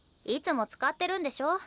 いつも使ってるんでしょ？